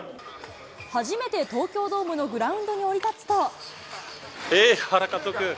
初めて東京ドームのグラウンドにえっ、原監督！